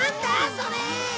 それ。